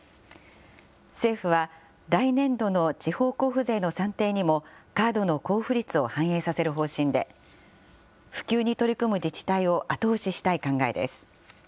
政府は、来年度の地方交付税の算定にも、カードの交付率を反映させる方針で、普及に取り組む自治体を後押ししたい考えです。